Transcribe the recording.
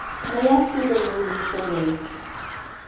Мыят тудо манын шонем.